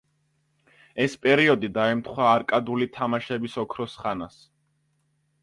ეს პერიოდი დაემთხვა არკადული თამაშების ოქროს ხანას.